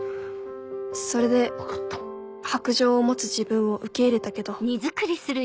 それで白杖を持つ自分を受け入れたけど。